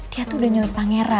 dia tuh udah nyewa pangeran